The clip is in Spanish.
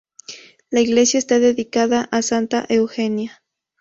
La iglesia está dedicada a santa Eugenia.